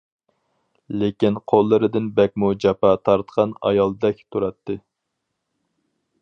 لېكىن قوللىرىدىن بەكمۇ جاپا تارتقان ئايالدەك تۇراتتى.